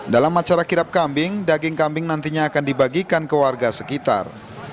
dalam acara kirap kambing daging kambing nantinya akan dibagikan ke warga sekitar